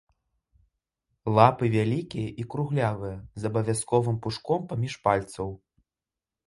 Лапы вялікія і круглявыя, з абавязковым пушком паміж пальцаў.